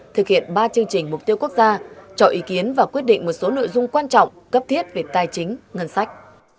thực hiện ba chương trình mục tiêu quốc gia chọn ý kiến và quyết định một số nội dung quan trọng cấp thiết về tài chính ngân sách